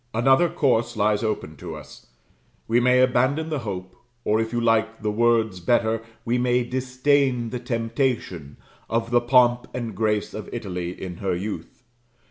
Another course lies open to us. We may abandon the hope or if you like the words better we may disdain the temptation, of the pomp and grace of Italy in her youth.